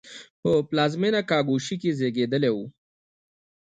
په پلازمېنه کاګوشی کې زېږېدلی و.